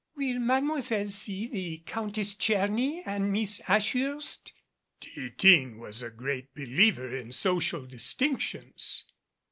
"Will Mademoiselle see the Countess Tcherny and Mees Ashhurst?" Titine was a great believer in social dis tinctions.